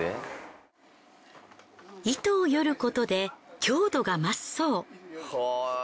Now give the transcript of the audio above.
糸を撚ることで強度が増すそう。